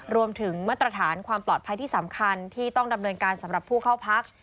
รวมถึงมาตรฐานความปลอดภัยที่สำคัญที่ต้องดำเนินการสำหรับผู้เข้าพัก